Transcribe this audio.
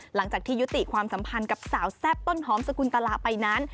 หลังจากที่ยุติความสัมพันธ์กับสาวแซ่บต้นหอมสกุลตลาไปนั้น